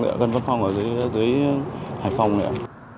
em đón ở gần văn phòng đấy ạ gần văn phòng ở dưới hải phòng đấy ạ